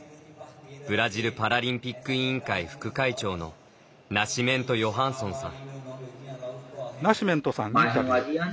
ブラジルパラリンピック委員会副会長のナシメント・ヨハンソンさん。